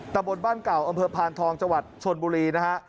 ทะบดบ้านเก่าอัมเภอพานทองจวัดชลบุรี